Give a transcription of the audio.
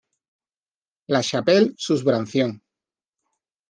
La Chapelle-sous-Brancion